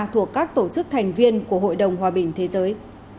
thuộc các tổ chức thành viên của hội đồng hòa bình thế giới